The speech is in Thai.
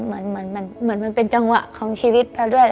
เหมือนมันเป็นจังหวะของชีวิตไปด้วย